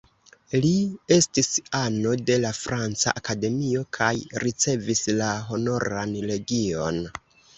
Li estis ano de la Franca Akademio kaj ricevis la Honoran Legion.